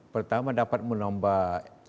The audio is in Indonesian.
pertama dapat menambah